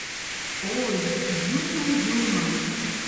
Ой, юмо, юмо!..